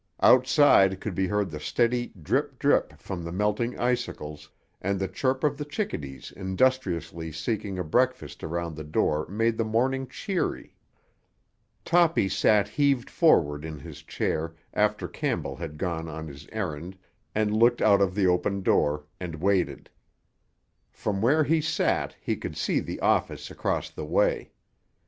Outside could be heard the steady drip drip from the melting icicles, and the chirp of the chickadees industriously seeking a breakfast around the door made the morning cheery. Toppy sat heaved forward in his chair after Campbell had gone on his errand, and looked out of the open door, and waited. From where he sat he could see the office across the way.